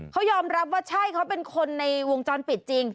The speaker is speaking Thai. เขายอมรับว่าใช่เขาเป็นคนในวงจรปิดจริง